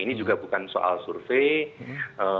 ini juga bukan soal survei